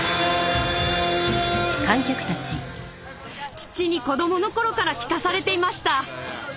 父に子供の頃から聴かされていました！